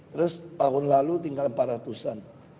terus tahun lalu tinggal empat ratus an